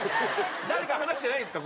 誰か話してないんですか？